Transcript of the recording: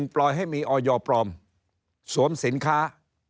ปล่อยให้มีออยปลอมสวมสินค้า